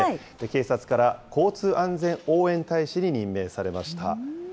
警察から交通安全応援大使に任命されました。